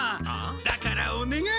だからおねがい！